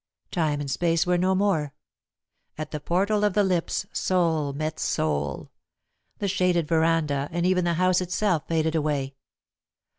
Time and space were no more. At the portal of the lips, soul met soul. The shaded veranda, and even the house itself faded away.